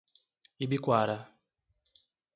Ibicoara